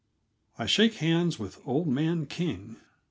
I Shake Hands with Old Man King.